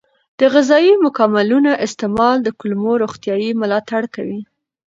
د غذایي ماکملونو استعمال د کولمو روغتیا ملاتړ کوي.